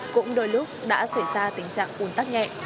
cũng đôi lúc đã xảy ra tình trạng ủn tắc nhẹ